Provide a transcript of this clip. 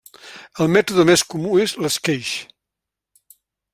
El mètode més comú és l'esqueix.